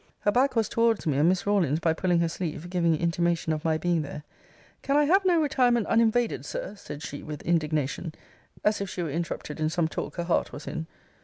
Her back was towards me; and Miss Rawlins, by pulling her sleeve, giving intimation of my being there Can I have no retirement uninvaded, Sir, said she, with indignation, as if she were interrupted in some talk her heart was in?